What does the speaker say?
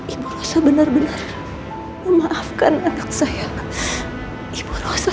ibu rasa benar benar memaafkan anak saya